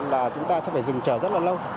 là chúng ta sẽ phải dừng chờ rất là lâu